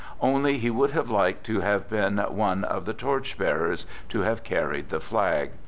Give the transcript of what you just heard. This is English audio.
Only he would have liked to have been one of the torch bearers, to have carried the flag.